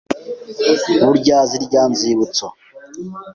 Burya zirya nzibutso